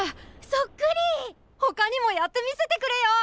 そっくり！ほかにもやってみせてくれよ！